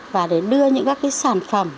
và để đưa những các cái sản phẩm